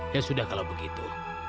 ya sudah kalau begitu